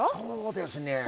そうですね。